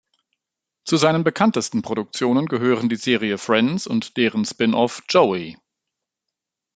Zu seinen bekanntesten Produktionen gehören die Serie "Friends" und deren Spin-off "Joey".